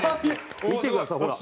見てくださいほら。